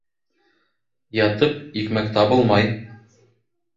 Ятып, икмәк табылмай.